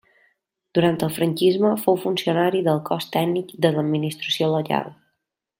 Durant el franquisme fou funcionari del cos tècnic de l'Administració local.